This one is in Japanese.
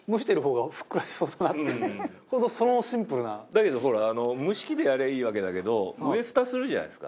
だけどほら蒸し器でやりゃいいわけだけど上フタするじゃないですか。